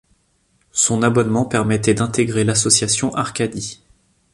Son abonnement permettait d'intégrer l'association Arcadie.